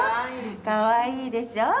かわいいでしょう。